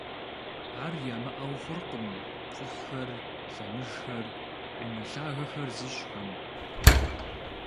Ар ямыӀэу хъуркъым кхъухьхэр, лъэмыжхэр, унэ лъагэхэр зыщӀхэм.